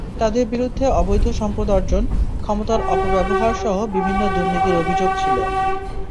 তাঁদের বিরুদ্ধে অবৈধ সম্পদ অর্জন, ক্ষমতার অপব্যবহারসহ বিভিন্ন দুর্নীতির অভিযোগ ছিল।